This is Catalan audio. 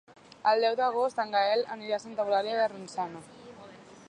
El deu d'agost en Gaël anirà a Santa Eulàlia de Ronçana.